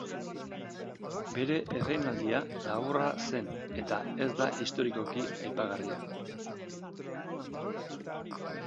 Bere erreinaldia laburra zen eta ez da historikoki aipagarria.